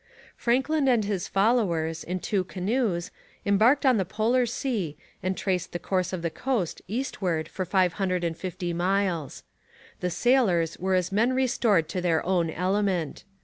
Franklin and his followers, in two canoes, embarked on the polar sea and traced the course of the coast eastward for five hundred and fifty miles. The sailors were as men restored to their own element.